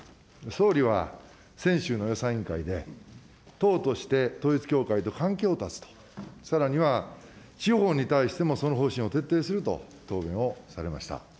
総理は先週の予算委員会で、党として統一教会と関係を断つと、さらには地方に対してもその方針を徹底すると答弁をされました。